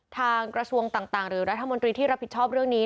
กระทรวงต่างหรือรัฐมนตรีที่รับผิดชอบเรื่องนี้